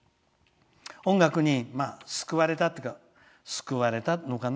音楽に救われたというか救われたのかな